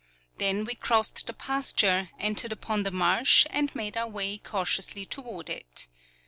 Then we crossed the pasture, entered upon the marsh, and made our way cautiously toward it.